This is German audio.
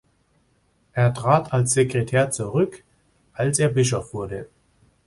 Er trat als Sekretär zurück, als er Bischof wurde.